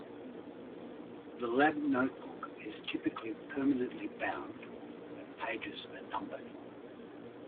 The lab notebook is typically permanently bound and pages are numbered.